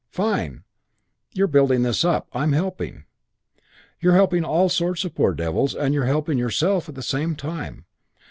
Fine. You're building this up, I'm helping. You're helping all sorts of poor devils and you're helping yourself at the same time.